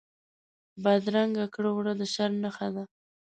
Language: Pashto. بدرنګه کړه وړه د شر نښه ده